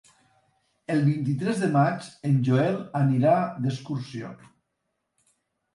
El vint-i-tres de maig en Joel anirà d'excursió.